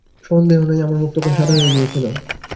সন্দেহ নেই আমার মুখ তখন সাদা হয়ে গিয়েছিল।